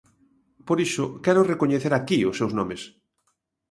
Por iso, quero recoñecer aquí os seus nomes.